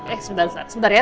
eh sebentar ya